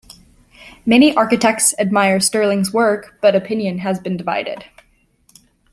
Many architects admire Stirling's work, but opinion has been divided.